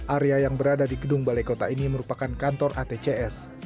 area yang berada di gedung balai kota ini merupakan kantor atcs